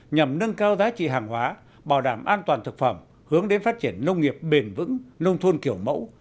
nhằm nâng cao giá trị hàng hóa bảo đảm an toàn thực phẩm hướng đến phát triển nông nghiệp bền vững nông thôn kiểu mẫu